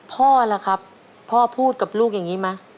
พ่อล่ะครับพ่อพูดกับลูกอย่างนี้ไหม